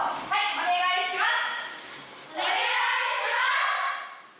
お願いします！